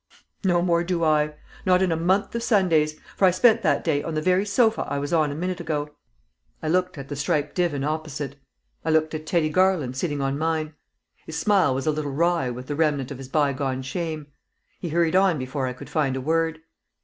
"No more do I; not in a month of Sundays; for I spent that day on the very sofa I was on a minute ago!" I looked at the striped divan opposite. I looked at Teddy Garland sitting on mine. His smile was a little wry with the remnant of his bygone shame; he hurried on before I could find a word.